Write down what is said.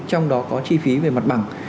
trong đó có chi phí về mặt bằng